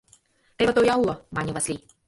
— Теве тоя уло, — мане Васлий.